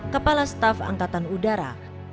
kepala staf angkatan udara